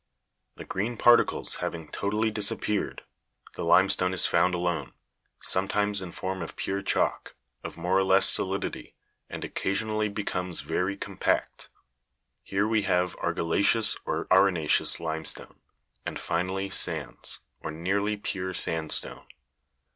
The green particles having totally disappeared, the limestone is found alone, sometimes in form of pure chalk, of more or less solidity, and occasionally becomes very compact ; here we have argilla'ceous or arena'ceous limestone, and finally sands, or nearly pure sandstone.